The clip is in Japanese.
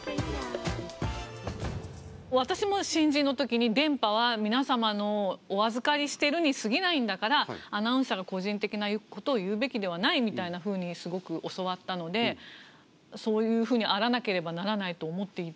私も新人のときに「電波は皆様のをお預かりしてるにすぎないんだからアナウンサーが個人的なことを言うべきではない」みたいなふうにすごく教わったのでそういうふうにあらなければならないと思っていたので。